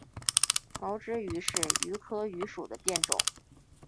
毛枝榆是榆科榆属的变种。